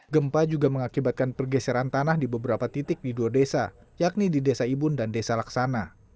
gempa juga mengakibatkan pergeseran tanah di beberapa titik di dua desa yakni di desa ibun dan desa laksana